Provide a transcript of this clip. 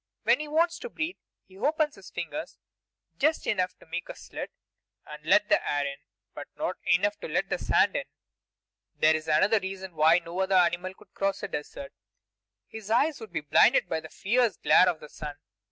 When he wants to breathe, he opens his fingers just enough to make a slit and let the air in, but not enough to let the sand in. There is another reason why no other animal could cross a desert: his eyes would be blinded by the fierce glare of the sun.